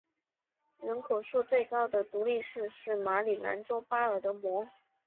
人口数最高的独立市是马里兰州巴尔的摩。